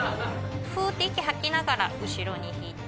「フーッて息吐きながら後ろに引いて」